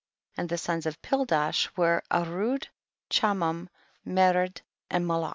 24. And the sons of Pildash were Arud, Chamum, Mered and Molocli.